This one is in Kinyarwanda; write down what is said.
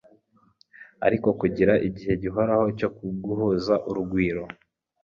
ariko kugira igihe gihoraho cyoguhuza urugwiro